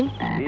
tunggu om jin